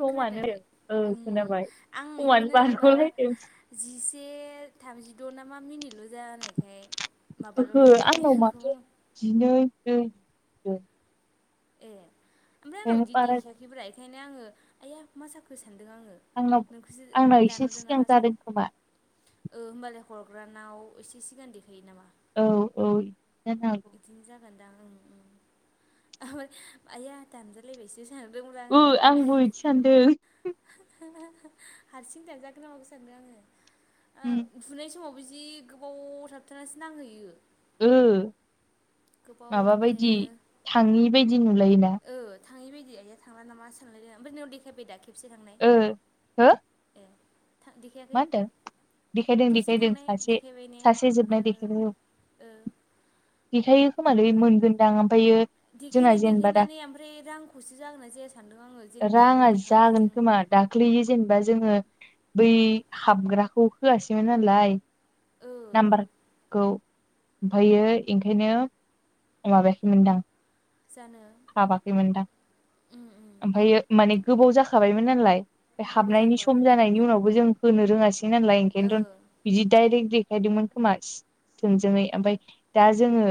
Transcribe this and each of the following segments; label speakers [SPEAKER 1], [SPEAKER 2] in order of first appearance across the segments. [SPEAKER 1] समानो
[SPEAKER 2] खोनादोखै
[SPEAKER 1] ओ
[SPEAKER 2] अम
[SPEAKER 1] खोनाबाय
[SPEAKER 2] आं
[SPEAKER 1] समानो
[SPEAKER 2] बेखौनो माबा
[SPEAKER 1] बारग'लायदों
[SPEAKER 2] जिसे थामजिद' माबाल'
[SPEAKER 1] ओहो
[SPEAKER 2] जानाय गाय
[SPEAKER 1] आंनाव माथो
[SPEAKER 2] नोंखौबो
[SPEAKER 1] जिनै ब्रै
[SPEAKER 2] ए ओमफ्राय आंनाव
[SPEAKER 1] ओंखायनो
[SPEAKER 2] बिदि
[SPEAKER 1] बारा जादों
[SPEAKER 2] देखायाखैब्रा बेखायनो आङो आइ आफ मा साखो सानदों आङो
[SPEAKER 1] आंनाव
[SPEAKER 2] नोंखौसो
[SPEAKER 1] आंनाव एसे
[SPEAKER 2] दानरदो
[SPEAKER 1] सिगां
[SPEAKER 2] नामा
[SPEAKER 1] जादों
[SPEAKER 2] सानो
[SPEAKER 1] खोमा
[SPEAKER 2] ओ होमबालाय हरग्रानाव एसे सिगां देखायो नामा
[SPEAKER 1] औ औ बिदि जानो हागौ
[SPEAKER 2] बिदिनो जागोनदां उम उम ओमफ्राय आइया दानजालायबायसो सानदोंमोन
[SPEAKER 1] ओ
[SPEAKER 2] आङो
[SPEAKER 1] आंबो बिदि सानदों
[SPEAKER 2] हारसिं दाजागोन माबो सानदों आङो
[SPEAKER 1] उम
[SPEAKER 2] थुनाय समावबो जि गोबाव थाबथानानैसो नांहैयो
[SPEAKER 1] ओ
[SPEAKER 2] गोबाव
[SPEAKER 1] माबा
[SPEAKER 2] थाबाय
[SPEAKER 1] बायदि
[SPEAKER 2] थायो।
[SPEAKER 1] थाङि बायदि नुलायोना
[SPEAKER 2] थाङै बायदि आइया थांला नामा सानलाय ओमफ्राय ननाव देखायबाय दा खेबसे थांनाय
[SPEAKER 1] ओ हो
[SPEAKER 2] ए
[SPEAKER 1] मा
[SPEAKER 2] देखायाखै
[SPEAKER 1] होनदों देखायदों
[SPEAKER 2] खेबसे
[SPEAKER 1] देखायदों
[SPEAKER 2] थांनाय
[SPEAKER 1] सासे
[SPEAKER 2] देखायबाय ने
[SPEAKER 1] सासे जोबनाय देखायदों देखायो खोमालै मोनगोनदां ओमफ्रायो जोंना
[SPEAKER 2] देखायनाय
[SPEAKER 1] जेनेबा दा
[SPEAKER 2] देखायनानै ओमफ्राय रांखौसो जागोनना जाया सानदों आङो जेनेबा रायज्लायखांनायजों
[SPEAKER 1] दाख्लै जेनेबा जोङो बै
[SPEAKER 2] ओ
[SPEAKER 1] हाबग्राखौ होआसैमोन नालाय
[SPEAKER 2] ओ
[SPEAKER 1] नाम्बारखौमफायो ओंखायनो माबायाखैमोनदां
[SPEAKER 2] जानो
[SPEAKER 1] हाबाखैमोनदां
[SPEAKER 2] उम उम
[SPEAKER 1] ओमफ्राय माने गोबाव जाखाबायमोन नालाय
[SPEAKER 2] गोबाव
[SPEAKER 1] हाबनायनि सम
[SPEAKER 2] जाखाबायमोनथ' आरो
[SPEAKER 1] जानायनि उनावबो जों होनो रोङासै नलाय
[SPEAKER 2] ओ
[SPEAKER 1] ओंखायनोथ' बिदि दडाइरेक्ट देखायदोंमोन खोमा थोंजोङै ओमफफ्राय दा जोङो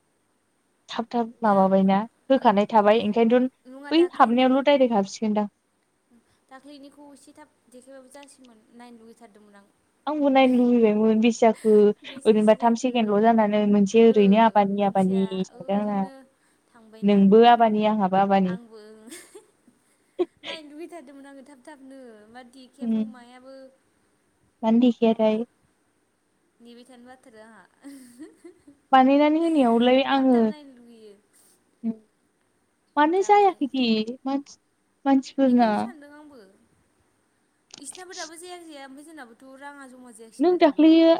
[SPEAKER 2] [inaudible]
[SPEAKER 1] थाब थाब
[SPEAKER 2] दा
[SPEAKER 1] माबाबायना
[SPEAKER 2] उम
[SPEAKER 1] होखानाय थाबाय ओंखायनोथ'
[SPEAKER 2] नङा
[SPEAKER 1] बै हाबनायावल' डाइरेक्ट हाबसिगोनदां
[SPEAKER 2] दाख्लै एनिखौ एसे थाब देखायबाबो जासैमोन नायनो लुगैथारदोंमोन आं
[SPEAKER 1] आंबोनाय लुबैबाय बेसेजाखो
[SPEAKER 2] बेसेसो
[SPEAKER 1] ओरैनोबा थाम
[SPEAKER 2] जाखो
[SPEAKER 1] सेकेणडल' जानानै मोनसे
[SPEAKER 2] ओ
[SPEAKER 1] ओरैनो आबानि आबानि थांदों आंना
[SPEAKER 2] थांबाय
[SPEAKER 1] नोंबो आबानि आं
[SPEAKER 2] आंबो नायनो लुबैथारदोंमोन आङो थाब थाबनो मादि
[SPEAKER 1] उम
[SPEAKER 2] आखियाबो मायाबो
[SPEAKER 1] मानो
[SPEAKER 2] माबा
[SPEAKER 1] देखायाथाय
[SPEAKER 2] नैबिथायानो बाथारो आंहा
[SPEAKER 1] बानायनानै होनायावलाय
[SPEAKER 2] थाब
[SPEAKER 1] आङो
[SPEAKER 2] थाब नायनो लुगैयो
[SPEAKER 1] मानो जायाखैदि मानसि मानसिफोरना
[SPEAKER 2] बेखौनोथ सानदों आंबो बिसोरनाब दाबो जायाानो जाया ओमफ्राय जोंनाबोथ' राङा जमा जायो
[SPEAKER 1] नों दाख्लैयो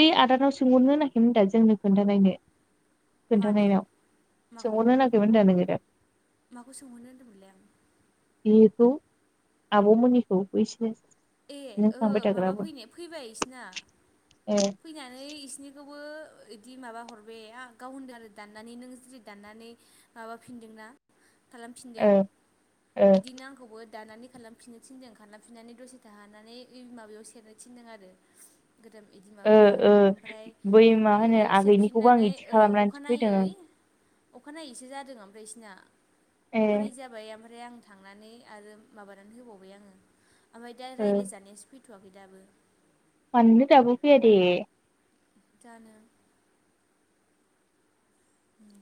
[SPEAKER 1] ओइ आदानाव सोंहरनो नाखैमोनदा जोंनो खोन्थानायनो
[SPEAKER 2] मानिखौ
[SPEAKER 1] खोन्थानायनाव
[SPEAKER 2] माखौ
[SPEAKER 1] सोंहरनो नागिरमोन दा नोङो दा
[SPEAKER 2] माखौ सोंहरनो होनदोंमोनलै आं
[SPEAKER 1] बेखौ आब'मोननिखौ बैसो
[SPEAKER 2] ए ओ माबा फैनाया फैबाय बिसिना
[SPEAKER 1] ए
[SPEAKER 2] फैनानै एसिनिखौबो एदि माबा हरबाय गाव होनदों आरो दाननानै नों जुदि दाननानै माबाफिनदोंना खालामफिनदों
[SPEAKER 1] ओ ओ
[SPEAKER 2] एदिनो आंखौबो दानानै खालामफिननो थिनदों खालामफिननानै दसे थाहाबनानै ओइ माबायाव सेरनो थिनदों आरो गोदान एदि
[SPEAKER 1] ओ
[SPEAKER 2] माबाफोराव
[SPEAKER 1] ओ
[SPEAKER 2] ओमफ्राय
[SPEAKER 1] बै मा होनो
[SPEAKER 2] इयाव
[SPEAKER 1] आगैनिखौबो आं
[SPEAKER 2] सेरफिननानै
[SPEAKER 1] इदि खालामनानैसो फैदों आं
[SPEAKER 2] अखानायै अखानायैसो जादों ओमफ्राय एसिना
[SPEAKER 1] ए
[SPEAKER 2] अखानायै जाबाय ओमफ्राय ओमफ्राय आं थांनानै आरो माबानानै होबावबाय आङो ओमफ्राय दा
[SPEAKER 1] ओ
[SPEAKER 2] रायलाय जानायासो फैदों होथ'वाखै दाबो
[SPEAKER 1] मानो दाबो फैया दे
[SPEAKER 2] जानो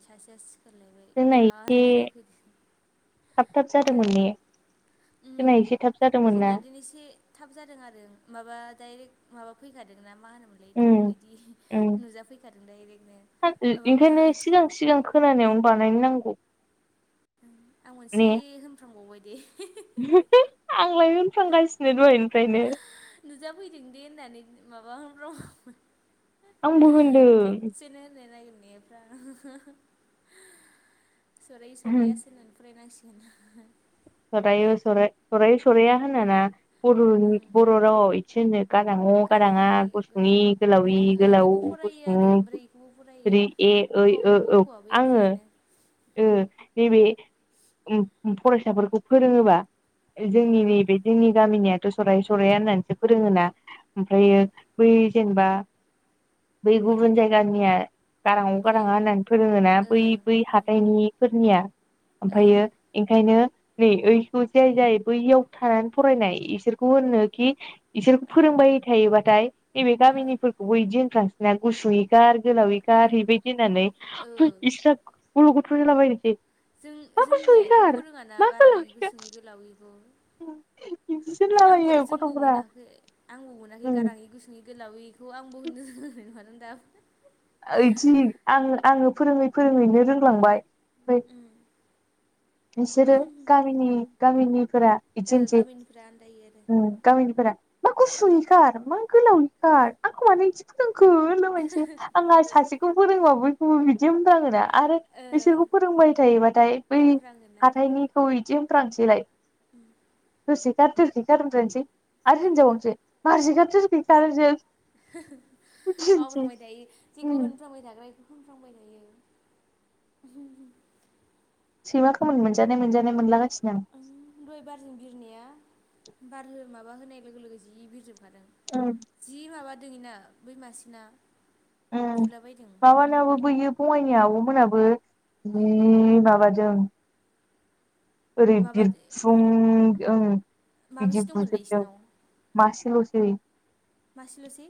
[SPEAKER 2] सासेया सिखारलायबाय
[SPEAKER 1] जोंना
[SPEAKER 2] दा
[SPEAKER 1] एसे
[SPEAKER 2] रायलाय फैफिन
[SPEAKER 1] थाब थाब
[SPEAKER 2] हो
[SPEAKER 1] जादोंमोन ने जोंना
[SPEAKER 2] उम
[SPEAKER 1] एसे थाब जादों
[SPEAKER 2] जोंना दिन एसे थाब जादों आरो माबा डाइरेक्ट माबा फैखादों ना मा होनोमोन एदिखौ
[SPEAKER 1] उम
[SPEAKER 2] एदि
[SPEAKER 1] उम
[SPEAKER 2] नुजाफैखादों दायरेकनो ओ माबा
[SPEAKER 1] सिगांखौ खोनानायावनो बानायनो नांगौ
[SPEAKER 2] आं
[SPEAKER 1] ने
[SPEAKER 2] मोनसे होनफ्रांबावबायदे
[SPEAKER 1] [unintelligible] आंलाय होनफ्लांगासिनो दहायनिफ्रायनो
[SPEAKER 2] नुजाफैदों दे होननानै माबा [unintelligible]
[SPEAKER 1] आंबो
[SPEAKER 2] [unintelligible]
[SPEAKER 1] होनदों
[SPEAKER 2] खेबसेनो होनलायलायगोन बे दा सरायो सरायासो होननानै फरायनांसिगोन [unintelligible]
[SPEAKER 1] सरायो सराय सरायो सराया होनाना बर'नि
[SPEAKER 2] ओं
[SPEAKER 1] बर' रावाव इदसो होनो गारांअ गाराआ
[SPEAKER 2] गाराङि
[SPEAKER 1] गुसुंइ
[SPEAKER 2] गोलोम
[SPEAKER 1] गोलावइ
[SPEAKER 2] इदिबो
[SPEAKER 1] गोलावबो
[SPEAKER 2] फरायो आरो
[SPEAKER 1] गुसुङो
[SPEAKER 2] ओमफ्राय इखौबो फरायो
[SPEAKER 1] ऋ ए
[SPEAKER 2] ख
[SPEAKER 1] ओइ
[SPEAKER 2] ख
[SPEAKER 1] ओ
[SPEAKER 2] ग
[SPEAKER 1] औ
[SPEAKER 2] खआबो
[SPEAKER 1] आङो
[SPEAKER 2] एखेयानो
[SPEAKER 1] ओ नैबे फरायसाफोरखौ फोरोङोबा
[SPEAKER 2] उम
[SPEAKER 1] जोंनि नैबे जोंनि गामिनियाथ' सरायो सराया होननानैसो फोरोङोना
[SPEAKER 2] उम
[SPEAKER 1] ओमफ्रायो बै जेनेबा बै गुबुन जायगानिया गारांअ गाराआ
[SPEAKER 2] गेले
[SPEAKER 1] होननानै फोरोङोना
[SPEAKER 2] ओ
[SPEAKER 1] बै- बै
[SPEAKER 2] ओं
[SPEAKER 1] हाथाइनिफोरनिया
[SPEAKER 2] औ
[SPEAKER 1] ओमफ्रायो एंखायनो नै ओइखौ जाय जाय बैयाव थानानै फरायनाय इसोरखौ होननोखि इसोरखौ फोरोंबाय थायोबाथाय नैबे
[SPEAKER 2] ओ
[SPEAKER 1] गामिनिफोरखौबो एदि होनफ्लांसैना गुसुयै खोर गोलावै
[SPEAKER 2] ओ
[SPEAKER 1] खार खार एबायदि होननानै
[SPEAKER 2] ओ
[SPEAKER 1] इस्रा गल' गथ' जालाबायनोसै मा
[SPEAKER 2] जों-जोंनिया
[SPEAKER 1] गुसुयै
[SPEAKER 2] एखौ
[SPEAKER 1] गार
[SPEAKER 2] फोरोङाना
[SPEAKER 1] मा
[SPEAKER 2] गारां इ
[SPEAKER 1] गोलावै गार
[SPEAKER 2] गुसुं इ गोलाइ
[SPEAKER 1] बिदिसो
[SPEAKER 2] आंबो
[SPEAKER 1] होनलाबायो
[SPEAKER 2] जोंबो
[SPEAKER 1] गथ'फोरा
[SPEAKER 2] मोनाखै आंबो मोनाखै
[SPEAKER 1] उम
[SPEAKER 2] गाराङि गुसुं इ गोलाव आं खौ आंबो होननो रोंनाय नङा दा
[SPEAKER 1] बिदि आं आङो फोरोङै फोरोङैनो रोंलांबाय ओमफ्राय
[SPEAKER 2] उम
[SPEAKER 1] नोंसोरो गामिनि- गामिनिफोरा बिदि
[SPEAKER 2] ओ
[SPEAKER 1] होनोसै
[SPEAKER 2] गामिनिफ्रा आन्दायो आरो
[SPEAKER 1] गामिनिफोरा मा गुसुं इ खारार मा गोलाव आं खार आंखौ मानो इदि फोरोंखो होनला बायसेै आंहा सासे बेखौ फोरोंबा बयखौबो बिदि होनफ्लाङोना आरो
[SPEAKER 2] ओ
[SPEAKER 1] बिसोरखौ फोरोंबाय थायोबाथाय बै
[SPEAKER 2] [unintelligible]
[SPEAKER 1] हाथायनिखौ बिदि होनफ्रांसैलाय
[SPEAKER 2] ओम
[SPEAKER 1] [unintelligible]
[SPEAKER 2] [unintelligible]
[SPEAKER 1] बिदिनोसै
[SPEAKER 2] बावफ्रामाय थायो
[SPEAKER 1] उम
[SPEAKER 2] जेखौ होनफ्रांबाय थाग्रा होनफ्लांबाय थायो [unintelligible]
[SPEAKER 1] सैमा खोमोन मोनजानाय मोनजानाय मोनलागासिनो आं
[SPEAKER 2] दहाय बारजों बिरनाया बार माबा होनाय लोगो लोगो जि बिरजोबो
[SPEAKER 1] आं उम
[SPEAKER 2] जि माबा दं इना बै मासेना
[SPEAKER 1] उम
[SPEAKER 2] बुलाबायदों
[SPEAKER 1] माबानाबो बैयो बङाइनि आब'मोनाबो जि माबादों ओरै
[SPEAKER 2] माबा
[SPEAKER 1] बिरफुं ओं
[SPEAKER 2] माबैसे
[SPEAKER 1] बिदि
[SPEAKER 2] दंमोनलाय
[SPEAKER 1] बुजोबदों
[SPEAKER 2] इसिनाव
[SPEAKER 1] मासेल'सै
[SPEAKER 2] मासेल'सै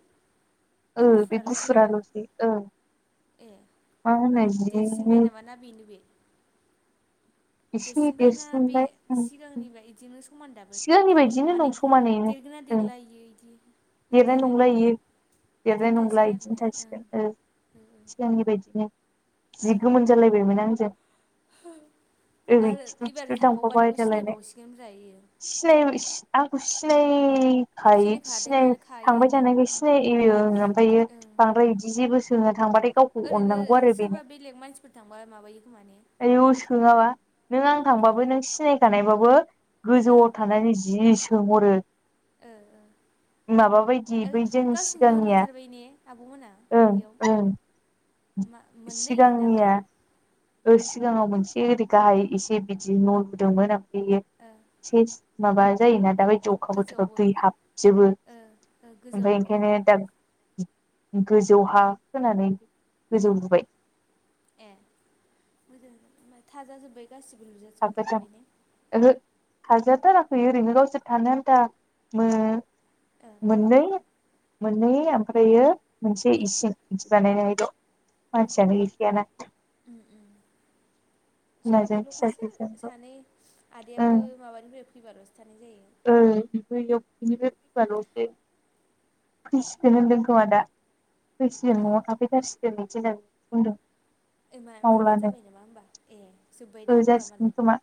[SPEAKER 1] ओ
[SPEAKER 2] ए
[SPEAKER 1] बे
[SPEAKER 2] गुफुराल'सै नामा
[SPEAKER 1] ओं
[SPEAKER 2] ए
[SPEAKER 1] मा होनो जि
[SPEAKER 2] देरसिनबाय नामा ना बेने बे
[SPEAKER 1] एसे
[SPEAKER 2] देरसिन बायना बे
[SPEAKER 1] देरसिनबाय
[SPEAKER 2] सिगांनि बायदि मो समान दाबो
[SPEAKER 1] सिगांनि
[SPEAKER 2] थायो
[SPEAKER 1] बायदिनो
[SPEAKER 2] माने
[SPEAKER 1] दं समानैनो
[SPEAKER 2] देरगोना
[SPEAKER 1] ओं
[SPEAKER 2] देरला इयो इदि
[SPEAKER 1] देरनाय नंला इयो। देरनाय
[SPEAKER 2] इदिनो
[SPEAKER 1] नंला
[SPEAKER 2] थासिगोन आरो
[SPEAKER 1] इदिनो
[SPEAKER 2] ने
[SPEAKER 1] थासिगोन ओ
[SPEAKER 2] ओं
[SPEAKER 1] सिगांनि बायदिनो।
[SPEAKER 2] ओ
[SPEAKER 1] जि गोमोन जालायबायमोन आंजों।
[SPEAKER 2] [unintelligible]
[SPEAKER 1] ओरै
[SPEAKER 2] आरो
[SPEAKER 1] खिथु
[SPEAKER 2] एबार
[SPEAKER 1] खिथु
[SPEAKER 2] थांबावबा नोंखौ सिनायबावसिगोन ब्रा इयो।
[SPEAKER 1] सिनाययोमोन आंखौ सिनायखायो सिनाय
[SPEAKER 2] सिनायखादोंआनो
[SPEAKER 1] थांबाय
[SPEAKER 2] खायोदां
[SPEAKER 1] थानायखाय सिनायो ओमफ्रायो
[SPEAKER 2] ओं
[SPEAKER 1] बांद्राय बिदि जेबो सोङो थांबाथाय गाव
[SPEAKER 2] ओरैनो सोरबा बेलेग मानसिफोर थांबा माबायो खोमाने?
[SPEAKER 1] आयौ सोङाबा नों आं थांबाबो नों सिनायखानायबाबो
[SPEAKER 2] ओ
[SPEAKER 1] गोजौआव थानानै जि सोंहरो
[SPEAKER 2] ओ ओ
[SPEAKER 1] माबा बायदि
[SPEAKER 2] ओ
[SPEAKER 1] बै जोंनि
[SPEAKER 2] गावसिनि न'
[SPEAKER 1] सिगांनिया
[SPEAKER 2] लुथारबाय ने आब'मोना
[SPEAKER 1] ओं
[SPEAKER 2] बेयाव?
[SPEAKER 1] ओं
[SPEAKER 2] मा मोननै नामा?
[SPEAKER 1] ओ सिगाङाव मोनसे ओरै गाहाय एसे बिदि न' लुदोंमोन आमफायो
[SPEAKER 2] ओ
[SPEAKER 1] सेस माबा जायोना दाबायदियाव अखा बोथोराव
[SPEAKER 2] गोजौआवबो
[SPEAKER 1] दै हाबजोबो
[SPEAKER 2] ओ ओ गोजौआव
[SPEAKER 1] ओमफाय
[SPEAKER 2] लुबावबाय
[SPEAKER 1] ओंखायनो दा गोजौ हा खोनानै
[SPEAKER 2] उम
[SPEAKER 1] गोजौ लुबाय
[SPEAKER 2] ए मोजां [unintelligible] थाजाजोब्बाय गासिबो लुजासिबो
[SPEAKER 1] थाखोथाम
[SPEAKER 2] दुखांबायने
[SPEAKER 1] ओहो थाजाथाराखै ओरैनो गावसोर थानो आन्था अम
[SPEAKER 2] ओ
[SPEAKER 1] मोननै मोननै आमफ्रायो मोनसे
[SPEAKER 2] औ
[SPEAKER 1] इसिं बिदि बानाय नायनिल' मानसियानो गैखाया ना।
[SPEAKER 2] अम अम सानै
[SPEAKER 1] बिमाजों
[SPEAKER 2] ल'खासो
[SPEAKER 1] फिसाजोजोंल'
[SPEAKER 2] सानै
[SPEAKER 1] ओं
[SPEAKER 2] आदायाबो माबानिफ्राय फैबाल'सो थानाय जायो।
[SPEAKER 1] ओ बैयाव बिनिफ्राय
[SPEAKER 2] उम
[SPEAKER 1] फैबाल'सो फैसिगोन होनदों खोमा दा। फैसिगोन
[SPEAKER 2] ओ
[SPEAKER 1] न'आव थाफैथारसिगोन इदि होनना बुंदों।
[SPEAKER 2] ओइ मा माबा
[SPEAKER 1] मावलानो
[SPEAKER 2] जाबाय नामा होमबा? ए जोब्बायदां
[SPEAKER 1] ओ
[SPEAKER 2] होमबा
[SPEAKER 1] जासिगोन
[SPEAKER 2] मालाय
[SPEAKER 1] खोमा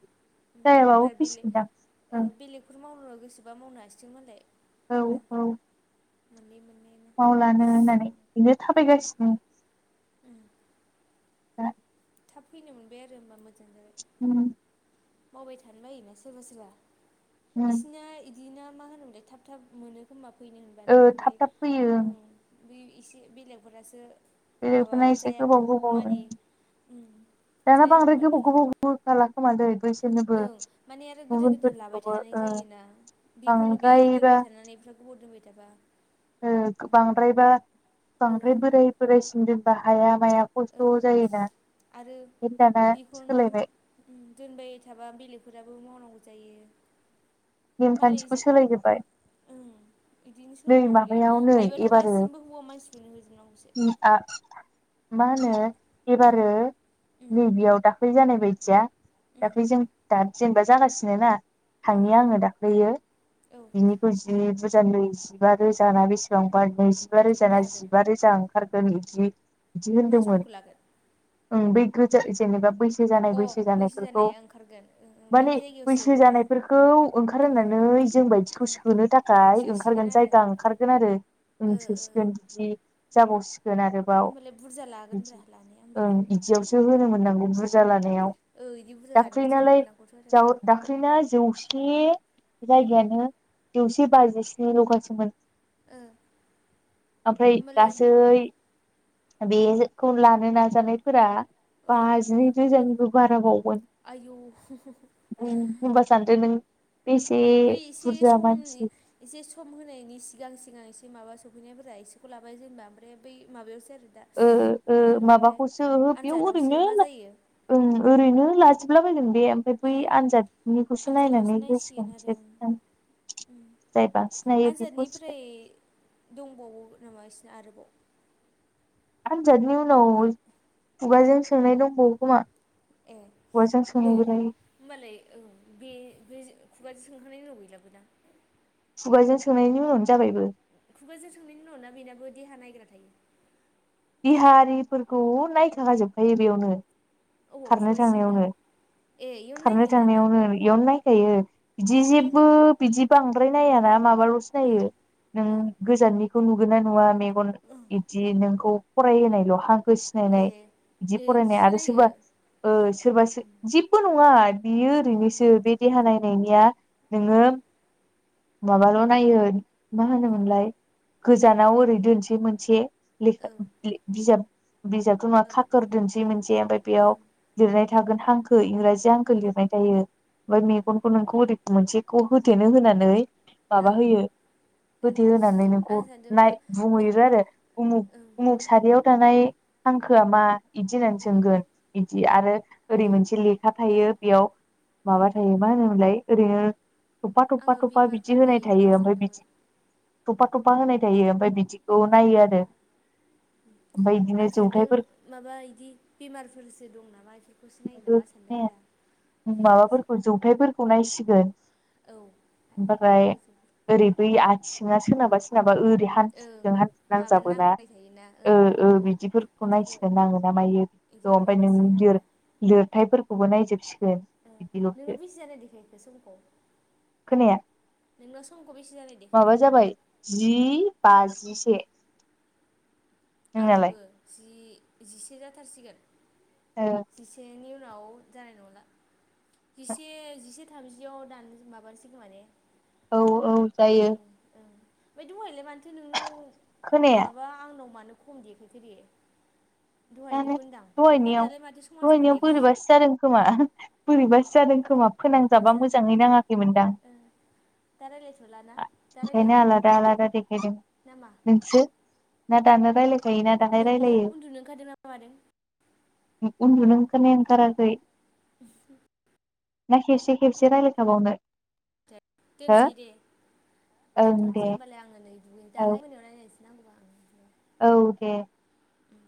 [SPEAKER 2] अम
[SPEAKER 1] जायाबाबो
[SPEAKER 2] एबार बेलेग
[SPEAKER 1] फैसिगोनदां
[SPEAKER 2] ओ
[SPEAKER 1] ओं
[SPEAKER 2] बेलेग फोर मावनो गोसोबा मावनो हसिगोन मालाय
[SPEAKER 1] औ
[SPEAKER 2] एबार मोननै मोननै नो
[SPEAKER 1] आव लानो होननानै बेनो थाबायगासिन।
[SPEAKER 2] उम
[SPEAKER 1] दा
[SPEAKER 2] थाब फैनो मोनबाय आरो होनबा मोजां जाबाय।
[SPEAKER 1] अम
[SPEAKER 2] मावबाय थानो बायोना सोरबा-सोरबा
[SPEAKER 1] उम
[SPEAKER 2] इसिना इद दिना मा होनोमलाय थाब थाब मोनो खोमा फैनो
[SPEAKER 1] ओ
[SPEAKER 2] होनब्लानो
[SPEAKER 1] थाब
[SPEAKER 2] ओमफ्राय
[SPEAKER 1] थाब फैयो
[SPEAKER 2] ओं बि एसे बेलेगफोरनासो माबा
[SPEAKER 1] बेलेगफोरना एसे गोबाव
[SPEAKER 2] जायागौ
[SPEAKER 1] गोबाव
[SPEAKER 2] मानि उम
[SPEAKER 1] दाना
[SPEAKER 2] जायागौ
[SPEAKER 1] बांद्राय
[SPEAKER 2] मानि
[SPEAKER 1] गोबाव-गोबाव होखाला खोमा दै बैस
[SPEAKER 2] ओं माने आरो गोदान-गोदान लाबाय थानाय
[SPEAKER 1] ओ
[SPEAKER 2] जायोना बिखौनो बि
[SPEAKER 1] बांद्रायबा
[SPEAKER 2] दोनबाय थानानै बिराद गोबाव दोनबाय थाबा
[SPEAKER 1] ओ बांद्रायबा
[SPEAKER 2] ओ
[SPEAKER 1] बांद्राय बोराय बोरायसिम दोनबा हाया माया
[SPEAKER 2] ओ
[SPEAKER 1] खस्थ' जायोना [unintelligible] दाना सोलायबाय।
[SPEAKER 2] अम दोनबाय थाबा बेलेगफोराबो मावनांगौ जायो
[SPEAKER 1] नेमखान्थिखौ सोलायजोबबाय।
[SPEAKER 2] अम इदिनो
[SPEAKER 1] नै
[SPEAKER 2] सोलायनांगौलै
[SPEAKER 1] माबायाव नै
[SPEAKER 2] हायोबाथ'
[SPEAKER 1] एबारो
[SPEAKER 2] गासिनबो हौवा मानसिखौनो होजोबनांगौसो।
[SPEAKER 1] उम आ मा होनो
[SPEAKER 2] मारै
[SPEAKER 1] एबारो
[SPEAKER 2] उम
[SPEAKER 1] नैबेयाव दा ख्लै जानाय बायदिया
[SPEAKER 2] उम
[SPEAKER 1] दाख्लै जों दाद जेनेबा जागासिनो ना
[SPEAKER 2] उम
[SPEAKER 1] थांनि आङो दाख्लैयो
[SPEAKER 2] औ
[SPEAKER 1] बिनिखौ जि बुजा नु जिबा रोजाना बेसेबांबा नैजिबा रोजाना
[SPEAKER 2] लादों
[SPEAKER 1] जिबा रोजा ओंखारगोन इदि
[SPEAKER 2] मानसिफोरखौ लादो
[SPEAKER 1] उम बै गोजा जेनेबा बैसो जानाय
[SPEAKER 2] अ
[SPEAKER 1] बैसो जानायफोरखौ
[SPEAKER 2] जानाया ओंखारगोन
[SPEAKER 1] माने
[SPEAKER 2] बिनि जायगायाव
[SPEAKER 1] बैसो
[SPEAKER 2] सोगोन ना
[SPEAKER 1] जानायफोर खौ ओंखारहोनानै जों बायदिखौ
[SPEAKER 2] उम
[SPEAKER 1] सोनो थाखाय
[SPEAKER 2] सोसिगोन
[SPEAKER 1] ओंखारगोन
[SPEAKER 2] आरो
[SPEAKER 1] जायगा ओंखारगोन आरो ओं
[SPEAKER 2] ओ ओ
[SPEAKER 1] सोसिगोन बिदि जाबावसिगोन आरो बाव
[SPEAKER 2] होमबालाय बुरजा
[SPEAKER 1] बिदि
[SPEAKER 2] लागोनब्रा लानाया होमबालाय
[SPEAKER 1] ओं बिदियावसो होनो मोननांगौ बुरजा लानायाव।
[SPEAKER 2] ओ इदि बुरजा लानायावसो होनो मोननांगौथ' आरो।
[SPEAKER 1] दाख्ललिना जौसे
[SPEAKER 2] ओ
[SPEAKER 1] जायगायानो जौसे बाजिस्निल'खासोमोन।
[SPEAKER 2] ओ।
[SPEAKER 1] आमफ्राय
[SPEAKER 2] होमबालाय
[SPEAKER 1] गासै बेजो खौ लानो नाजानायफोरा
[SPEAKER 2] औ
[SPEAKER 1] बाजिनै जि रोजानिबो बारा बावमोन।
[SPEAKER 2] आयौ हु हु
[SPEAKER 1] हुम होनबा सानदो नों बेसे
[SPEAKER 2] बै एसे
[SPEAKER 1] बुरजा
[SPEAKER 2] समनि
[SPEAKER 1] मानसि।
[SPEAKER 2] एसे सम होनायनि सिगां सिगां एसे माबा सफैनायफोरा एसेखौ लाबाय जेनबा ओमफ्राय बै माबायासै आरो दा।
[SPEAKER 1] ओ ओ
[SPEAKER 2] मा होनोमोनलाय
[SPEAKER 1] माबाखौसो ओहो बेयाव
[SPEAKER 2] आनजादावसो
[SPEAKER 1] ओरैनो
[SPEAKER 2] मा जायो।
[SPEAKER 1] ओं ओरैनो लाजोबलाबायगोन बे। ओमफाय बै
[SPEAKER 2] उम
[SPEAKER 1] आनजादनिखौसो
[SPEAKER 2] आनजादावसो
[SPEAKER 1] नायनानै
[SPEAKER 2] नायसिगोन आरो
[SPEAKER 1] होसगोन।
[SPEAKER 2] आं
[SPEAKER 1] [unintelligible]
[SPEAKER 2] उम
[SPEAKER 1] जाय बांसिन हायो बेखौ
[SPEAKER 2] आनजादनिफ्राय
[SPEAKER 1] होसिगोन।
[SPEAKER 2] दंबावो नामा इसोना आरोबाव।
[SPEAKER 1] आनजादनि उनाव खुगाजों सोंनाय दंबावो खोमा।
[SPEAKER 2] ए
[SPEAKER 1] खुगाजों
[SPEAKER 2] ए।
[SPEAKER 1] सोंनायबोलाय
[SPEAKER 2] होमबालाय औ बे बे खुगाजों सोंखांनायनि उनाव गैलाबोना।
[SPEAKER 1] खुगाजों सोंनायनि उनावनो जाबायबो।
[SPEAKER 2] खुगाजों सोंनायनि उनाव ना बेनाबो देहा नायग्रा थायो।
[SPEAKER 1] देहा आरिफोरखौ नायखालाजोबखायो बेयावनो।
[SPEAKER 2] अबाव
[SPEAKER 1] खारनो
[SPEAKER 2] खुगाजों सोंनायाव
[SPEAKER 1] थांनायावनो
[SPEAKER 2] ए इयावनो
[SPEAKER 1] खारनो
[SPEAKER 2] नायखायो दाना
[SPEAKER 1] थांनायावनो इयावनो नायखायो। बिदि
[SPEAKER 2] ए
[SPEAKER 1] जेबो बिदि बांद्राय नाया ना माबाल'सो
[SPEAKER 2] ओ
[SPEAKER 1] नायो नों ओम
[SPEAKER 2] ओ
[SPEAKER 1] गोजाननि। बेखौ नुगोन ना नुवा मेगन
[SPEAKER 2] ओ
[SPEAKER 1] इदि नोंखौ फरायहोनायल' हांखोसि
[SPEAKER 2] ए
[SPEAKER 1] सिनायनाय बिदि
[SPEAKER 2] ए
[SPEAKER 1] फरायनाय
[SPEAKER 2] इदिसो
[SPEAKER 1] आरो सोरबा
[SPEAKER 2] नायो
[SPEAKER 1] ओ सोरबा सो
[SPEAKER 2] उम
[SPEAKER 1] जेबबो नङा बियो
[SPEAKER 2] उम उम
[SPEAKER 1] ओरैनोसो बे देहा नायनायनिया
[SPEAKER 2] उम
[SPEAKER 1] नोङो माबाल' नायो मा होनोमोनलाय
[SPEAKER 2] मा
[SPEAKER 1] गोजानाव ओरै दोनसै मोनसे लेखा
[SPEAKER 2] ओं
[SPEAKER 1] बिजाब बिजाबथ' नङा
[SPEAKER 2] ओं
[SPEAKER 1] खाखोर दोनसै मोनसे ओमफ्राय
[SPEAKER 2] ओं
[SPEAKER 1] बेयाव लिरनाय थागोन हांखो इंराजि हांखो
[SPEAKER 2] उम
[SPEAKER 1] लिरनाय थायो। ओमफाय
[SPEAKER 2] उम
[SPEAKER 1] मेगनखौ नोंखौ ओरै मोनसेखौ होथेनो होनानै
[SPEAKER 2] औ
[SPEAKER 1] माबा होयो।
[SPEAKER 2] ए
[SPEAKER 1] होथे होनानै नोंखौ
[SPEAKER 2] आं सानदों मा
[SPEAKER 1] नाय
[SPEAKER 2] मे
[SPEAKER 1] बुंहैयो आरो उमुख
[SPEAKER 2] ओं
[SPEAKER 1] उमुख सारियाव थानाय हांखोआ मा इदि होननानै
[SPEAKER 2] उम
[SPEAKER 1] सोंगोन। इदि आरो ओरै मोनसे लेखा थायो बेयाव। माबा
[SPEAKER 2] ओं
[SPEAKER 1] थायो मा होनोमोनलाय ओरैनो थफ्फा थफ्फा
[SPEAKER 2] आङो
[SPEAKER 1] थबफ्फा बिदि
[SPEAKER 2] बेमारफोर
[SPEAKER 1] होनाय
[SPEAKER 2] नायो नामा
[SPEAKER 1] थायो ओमफाय
[SPEAKER 2] सानदोंमोन
[SPEAKER 1] बिदि थफ्फा थफ्फा होनाय थायो ओमफाय
[SPEAKER 2] औ
[SPEAKER 1] बिदिखौ नायो आरो। ओमफ्राय बिदिनो
[SPEAKER 2] आं सान्दों
[SPEAKER 1] जौथाइफोरखौ
[SPEAKER 2] माबा इदि बेमारफोरसो दं नामा इफोर खौसोनायो नामा सान्दोंमोन आं।
[SPEAKER 1] जौथायफोरखौ नायसिगोन
[SPEAKER 2] औ
[SPEAKER 1] ओमफाराय
[SPEAKER 2] गोजोन
[SPEAKER 1] ओरै बै आथिङा सोरनाबा सोरनाबा ओरै हाब
[SPEAKER 2] ओं
[SPEAKER 1] हान्थुजों हान्थु
[SPEAKER 2] माबा
[SPEAKER 1] नांजाबोना
[SPEAKER 2] नांबाय थायोना
[SPEAKER 1] ओ
[SPEAKER 2] ओं
[SPEAKER 1] ओ बिदिफोरखौ
[SPEAKER 2] इदिखौ
[SPEAKER 1] नायसिगोन नाङो ना मायो। अ
[SPEAKER 2] इदिखौ
[SPEAKER 1] ओमफाय नों
[SPEAKER 2] माबासिगोन आरो
[SPEAKER 1] लिर-लिरथायफोरखौबो नायजोबसिगोन।
[SPEAKER 2] ओ
[SPEAKER 1] बिदिल'सो
[SPEAKER 2] नोंनाव बेसि जानाय देखायखो समखौ?
[SPEAKER 1] खोनाया
[SPEAKER 2] नोंनाव समखौ बेसे जानाय
[SPEAKER 1] माबा
[SPEAKER 2] देखायखो?
[SPEAKER 1] जाबाय जि बाजिसे। नोंनालाय
[SPEAKER 2] आंनावबो जि जिसे जाथारसिगोन। जिसेनि उनाव जानाय नंला। जिसे जिसे थामजिआव दान-माबानोसै खोमा ने?
[SPEAKER 1] औ औ जायो।
[SPEAKER 2] ओमफाय दहायलाय माथो नोंनाव
[SPEAKER 1] खोनाया
[SPEAKER 2] माबा आंनाव मानो खम देखायखो दे?
[SPEAKER 1] जानो
[SPEAKER 2] दहायनिखौ होनदां ओमफ्राय
[SPEAKER 1] दहायनियाव
[SPEAKER 2] दालाय माथो समान समान
[SPEAKER 1] दहायनियाव
[SPEAKER 2] देखायख
[SPEAKER 1] बोरैबासो जादों खोमा बोरैबासो जादों खोमा फोनांजाबा
[SPEAKER 2] जानो
[SPEAKER 1] मोजाङै नाङाखैमोनदां।
[SPEAKER 2] ओ दा रायज्लायथ'ला ना दा
[SPEAKER 1] ओंखायनो
[SPEAKER 2] रायज्लायनोसै
[SPEAKER 1] आलादा आलादा देखायदों
[SPEAKER 2] ना मा
[SPEAKER 1] नोंसो ना दानो रायलायगोन?
[SPEAKER 2] नोङो उन्दुनो ओंखारदों ना मादों?
[SPEAKER 1] उन्दुनो ओंखारनाया ओंखाराखै।
[SPEAKER 2] [unintelligible]
[SPEAKER 1] ना खेबसे खेबसे रायलायखाबावनो? हो
[SPEAKER 2] दोनसै दे
[SPEAKER 1] ओं
[SPEAKER 2] दोनथ'नोसै
[SPEAKER 1] दे
[SPEAKER 2] होनोमबालाय आङो नै दुगैनि
[SPEAKER 1] औ
[SPEAKER 2] दाहा मोनायाव रायलायनोसै नांगौबा।
[SPEAKER 1] औ दे।
[SPEAKER 2] उम।